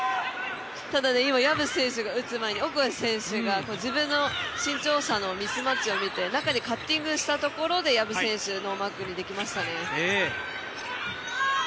ただ、今、薮選手が打つ前に自分の身長差のミスマッチを見て中にカッティングしたところで薮選手ノーマークにできましたね。